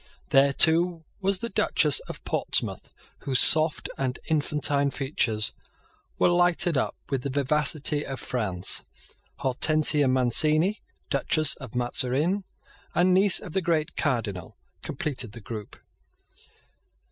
There too was the Duchess of Portsmouth, whose soft and infantine features were lighted up with the vivacity of France. Hortensia Mancini, Duchess of Mazarin, and niece of the great Cardinal, completed the group.